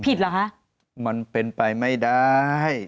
เหรอคะมันเป็นไปไม่ได้